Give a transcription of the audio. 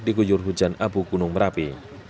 diguyur hujan abu gunung merapi